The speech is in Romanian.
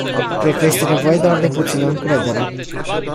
Cred că este nevoie doar de puțină încredere.